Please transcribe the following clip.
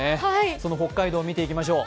その北海道、見ていきましょう。